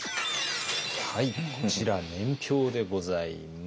はいこちら年表でございます。